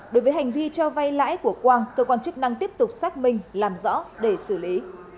đối với hành vi cho vay lãi của quang cơ quan chức năng tiếp tục xác minh làm rõ để xử lý